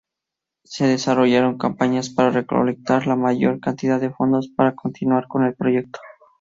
Se desarrollaron campañas para recolectar la mayor cantidad fondos para continuar con el proyecto.